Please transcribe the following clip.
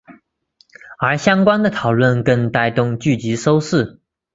而相关的讨论更带动剧集收视。